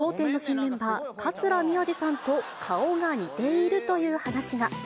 岡部大さんが笑点の新メンバー、桂宮治さんと顔が似ているという話が。